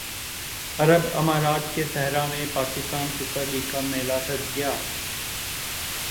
عرب امارات کے صحرا میں پاکستان سپر لیگ کا میلہ سج گیا